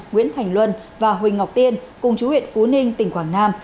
nguyễn thành luân và huỳnh ngọc tiên cùng chú huyện phú ninh tỉnh quảng nam